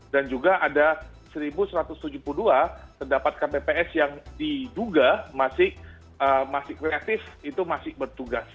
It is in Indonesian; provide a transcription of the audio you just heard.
dan juga ada satu satu ratus tujuh puluh dua terdapatkan tps yang diduga masih kreatif itu masih bertugas